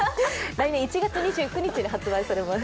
来年１月２９日に発売されます。